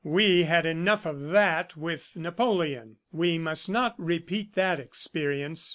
We had enough of that with Napoleon; we must not repeat that experience.